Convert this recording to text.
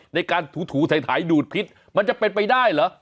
ในการถูถ่ายดูดพิษมันจะเป็นไปได้เหรอ